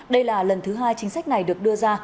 đây là lần thứ hai chính sách này được đưa ra